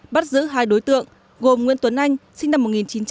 bắt giữ hai đối tượng gồm nguyên tuấn anh sinh năm một nghìn chín trăm tám mươi tám